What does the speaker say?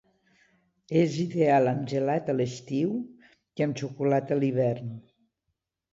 És ideal amb gelat a l'estiu i amb xocolata a l'hivern.